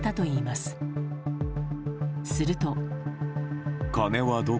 すると。